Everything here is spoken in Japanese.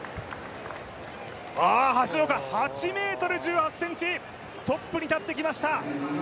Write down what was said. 橋岡、８ｍ１８ｃｍトップに立ってきました。